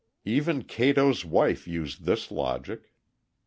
Even Cato's wife used this logic.